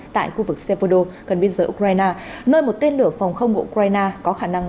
tại khu vực sepoldo gần biên giới ukraine nơi một tên lửa phòng không của ukraine có khả năng